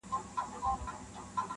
د کابل تصوېر مي ورکی په تحفه کي ,